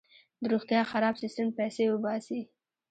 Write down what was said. د روغتیا خراب سیستم پیسې وباسي.